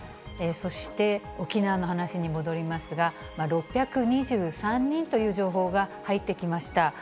そして、沖縄の話に戻りますが、６２３人という情報が入ってきました。